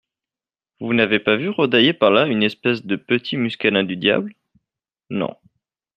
Vous n'avez pas vu rôdailler par là une espèce de petit muscadin du diable ? Non.